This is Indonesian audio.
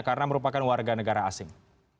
karena merupakan warga negara asing